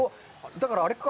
だからあれか。